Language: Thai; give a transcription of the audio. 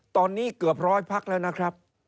ตอนนี้เกือบร้อยพักแล้วนะครับ